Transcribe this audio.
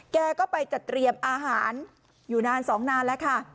แกก็ไปจัดเตรียมอาหารอยู่นานสองนานแล้วค่ะ